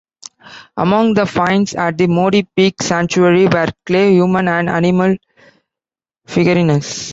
Among the finds at the Modi peak sanctuary were clay human and animal figurines.